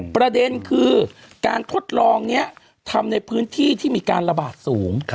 ประเด็นคือการทดลองนี้ทำในพื้นที่ที่มีการระบาดสูง